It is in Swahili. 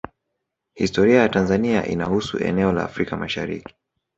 Historia ya Tanzania inahusu eneo la Afrika Mashariki